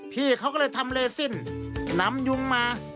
พี่เขาก็เลยทำเลสินนำยุงมา